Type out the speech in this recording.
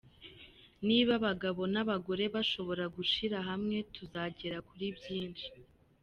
Niba abagabo n’abagore bashobora gushyira hamwe, tuzagera kuri byinshi.